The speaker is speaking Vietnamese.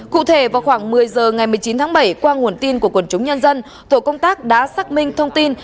cụ thể vào khoảng một mươi giờ ngày một mươi chín tháng bảy qua nguồn tin của quần chúng nhân dân tổ công tác đã xác minh thông tin